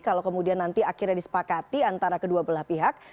kalau kemudian nanti akhirnya disepakati antara kedua belah pihak